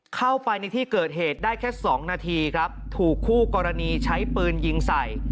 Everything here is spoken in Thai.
เข้าไปในที่เกิดเหตุได้แค่๒นาทีครับถูกคู่กรณีใช้ปืนยิงใส่